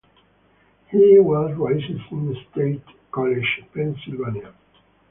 He was raised in State College, Pennsylvania.